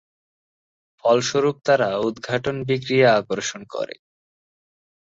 ফলস্বরূপ তারা উদ্ঘাটন বিক্রিয়া আকর্ষণ করে।